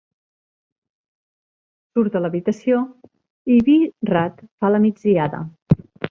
Surt de l'habitació i B-Rad fa la migdiada.